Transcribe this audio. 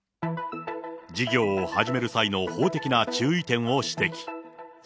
事業を始める際の法的な注意点を指摘。